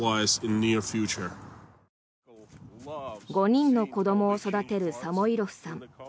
５人の子どもを育てるサモイロフさん。